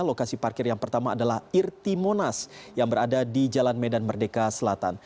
lokasi parkir yang pertama adalah irti monas yang berada di jalan medan merdeka selatan